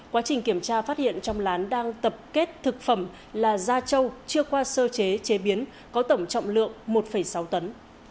quá trình kiểm tra phát hiện trong lán đang tập kết thực phẩm là gia châu chưa qua sơ chế chế biến có tổng trọng lượng một sáu tấn